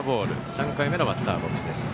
３回目のバッターボックスです。